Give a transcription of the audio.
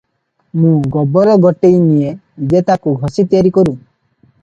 ମୁଁ ଗୋବର ଗୋଟେଇ ନିଏ ଯେ ତାକୁ ଘସି ତିଆରି କରୁଁ ।